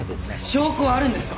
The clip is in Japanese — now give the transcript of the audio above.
証拠はあるんですか！？